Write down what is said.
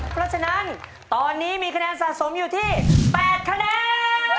เพราะฉะนั้นตอนนี้มีคะแนนสะสมอยู่ที่๘คะแนน